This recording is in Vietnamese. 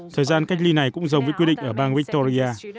thời gian cách ly này cũng giống với quy định ở bang victoria